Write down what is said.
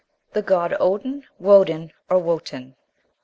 THE GOD ODIN, WODEN, OR WOTAN.